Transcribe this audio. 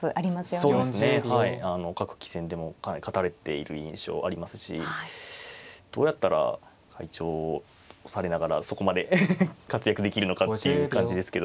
そうですねはい各棋戦でもかなり勝たれている印象ありますしどうやったら会長をされながらそこまで活躍できるのかっていう感じですけど。